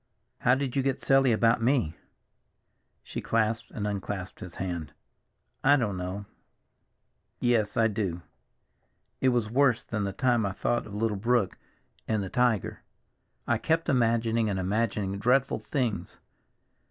"How did you get silly about me?" She clasped and unclasped his hand. "I don't know. Yes, I do. It was worse than the time I thought of little Brook and the tiger. I kept imagining and imagining dreadful things.